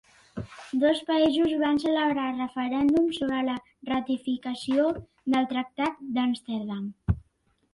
Dos països van celebrar referèndums sobre la ratificació del tractat d'Amsterdam.